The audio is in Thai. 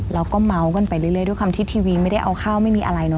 เราก็เมาส์กันไปเรื่อยด้วยความที่ทีวีไม่ได้เอาข้าวไม่มีอะไรเนอ